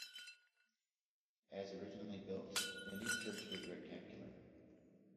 As originally built, the new church was rectangular.